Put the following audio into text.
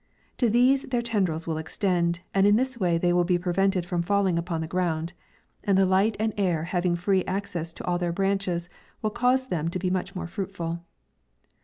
To these their tendrils will extend, and in this way they will be prevented from falling upon the ground, and the light and air having free ac cess to all their branches, will cause them to be much more fruitful.